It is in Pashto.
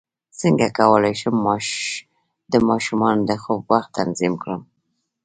څنګه کولی شم د ماشومانو د خوب وخت تنظیم کړم